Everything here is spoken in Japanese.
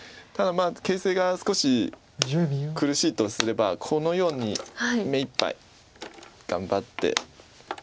ただ形勢が少し苦しいとすればこのように目いっぱい頑張って。